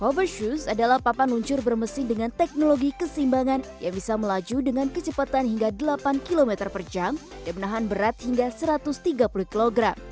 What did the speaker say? over shoes adalah papan luncur bermesin dengan teknologi keseimbangan yang bisa melaju dengan kecepatan hingga delapan km per jam dan menahan berat hingga satu ratus tiga puluh kg